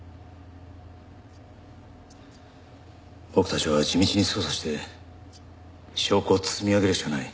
僕たちは地道に捜査して証拠を積み上げるしかない。